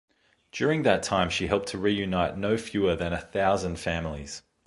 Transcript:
During that time she helped to reunite no fewer than a thousand families.